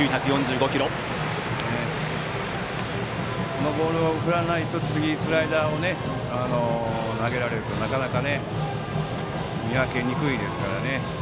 このボールを振らないと次スライダーを投げられると、なかなか見分けにくいですからね。